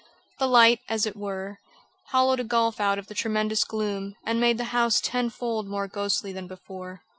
The light, as it were, hollowed a gulf out of the tremendous gloom and made the house tenfold more ghostly than before.